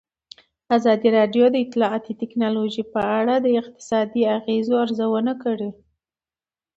ازادي راډیو د اطلاعاتی تکنالوژي په اړه د اقتصادي اغېزو ارزونه کړې.